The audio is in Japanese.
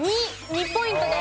２ポイントです。